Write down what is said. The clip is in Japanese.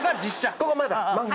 ここまだ漫画。